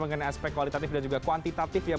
mengenai aspek kualitatif dan juga kuantitatif yang